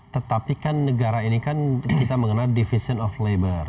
tetapi kan negara ini kan kita mengenal division of labor